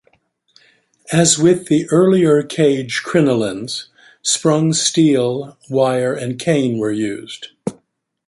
As with the earlier cage crinolines, sprung steel, wire and cane were used.